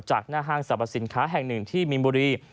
จากหน้าห้างสรรพสินค้าแห่งหนึ่งที่มีนบุรี